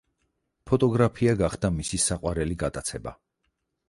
ფოტოგრაფია გახდა მისი საყვარელი გატაცება.